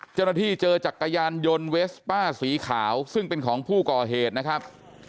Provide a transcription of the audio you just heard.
เจ้าหน้าที่เจอจักรยานยนต์เวสป้าสีขาวซึ่งเป็นของผู้ก่อเหตุนะครับ